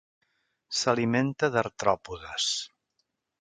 S'alimenta d'artròpodes.